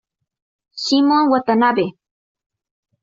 Shimon Watanabe